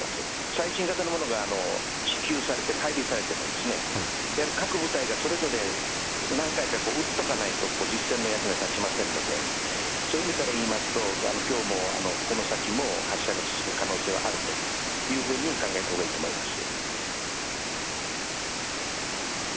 最新型のものが支給されて、配備されても、やはり各部隊がそれぞれ何回か撃っとかないと、実戦の役には立ちませんので、そういう意味からいいますと、きょうも、この先も発射が続く可能性はあるというふうに考えたほうがいいと思います。